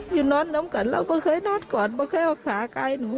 อยู่นอนน้ำกันเราก็เคยนอนก่อนเคยเอาขาใกล้หนู